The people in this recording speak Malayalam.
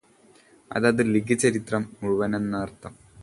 അതായതു്, ലിഖിതചരിത്രം മുഴുവനുമെന്നർത്ഥം.